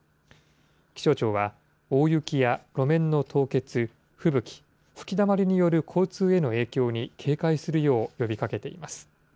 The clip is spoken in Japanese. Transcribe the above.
気象庁は、大雪や路面の凍結、吹雪、吹きだまりによる交通への影響に警戒するよう呼びかけています。